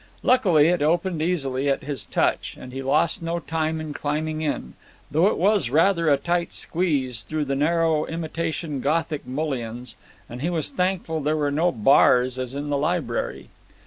Luckily it opened easily at his touch, and he lost no time in climbing in, though it was rather a tight squeeze through the narrow imitation Gothic mullions, and he was thankful there were no bars as in the library.